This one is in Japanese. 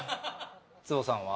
坪さんは？